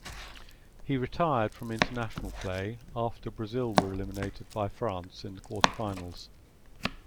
He retired from international play after Brazil were eliminated by France in the quarterfinals.